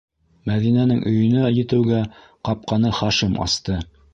Мәҙинәнең өйөнә етеүгә ҡапҡаны Хашим асты: